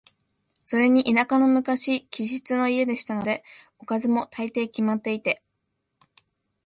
それに田舎の昔気質の家でしたので、おかずも、大抵決まっていて、